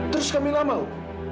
terus kamila mau